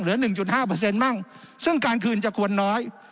หนึ่งจุดห้าเปอร์เซ็นต์มั่งซึ่งการคืนจะควรน้อย